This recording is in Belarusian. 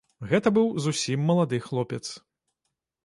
Гэта быў зусім малады хлопец.